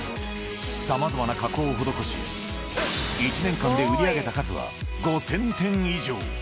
さまざまな加工を施し、１年間で売り上げた数は５０００点以上。